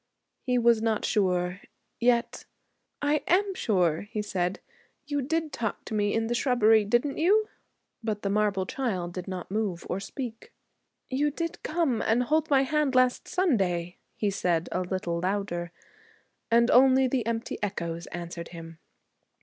He was not sure. Yet 'I am sure,' he said. 'You did talk to me in the shrubbery, didn't you?' But the marble child did not move or speak. 'You did come and hold my hand last Sunday,' he said, a little louder. And only the empty echoes answered him.